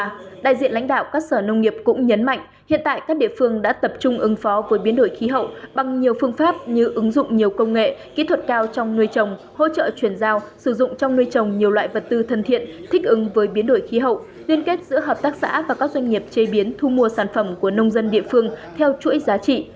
tại đại diện lãnh đạo các sở nông nghiệp cũng nhấn mạnh hiện tại các địa phương đã tập trung ứng phó với biến đổi khí hậu bằng nhiều phương pháp như ứng dụng nhiều công nghệ kỹ thuật cao trong nuôi trồng hỗ trợ chuyển giao sử dụng trong nuôi trồng nhiều loại vật tư thân thiện thích ứng với biến đổi khí hậu liên kết giữa hợp tác xã và các doanh nghiệp chế biến thu mua sản phẩm của nông dân địa phương theo chuỗi giá trị